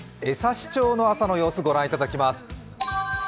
江差町の朝の様子、御覧いただきます。